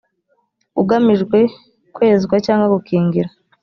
ugamije kwezwa cyangwa gukingira